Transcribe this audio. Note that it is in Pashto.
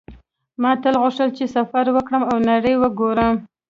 ما تل غوښتل چې سفر وکړم او نړۍ وګورم